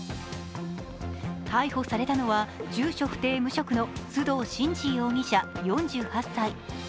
逮捕されたのは住所不定・無職の須藤慎司容疑者４８歳。